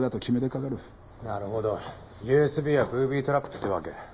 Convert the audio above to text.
なるほどＵＳＢはブービートラップってわけ。